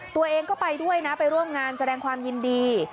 ตัวเองก็ไปด้วยนะไปร่วมงานแสดงความยินดี